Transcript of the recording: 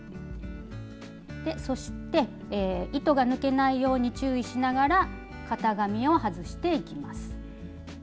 そして糸が抜けないように注意しながら型紙を外していきます。